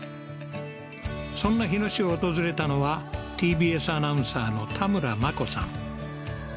そんな日野市を訪れたのはＴＢＳアナウンサーの田村真子さん